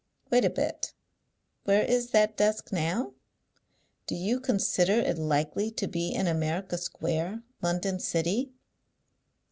Wait a bit. Where is that desk now? Do you consider it likely to be in America Square, London City?"